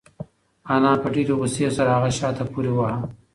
انا په ډېرې غوسې سره هغه شاته پورې واهه.